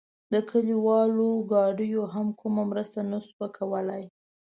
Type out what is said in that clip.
د کلیوالو ګاډیو هم کومه مرسته نه شوه کولای.